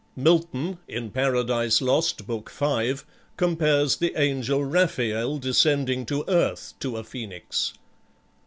Milton, in "Paradise Lost," Book V., compares the angel Raphael descending to earth to a Phoenix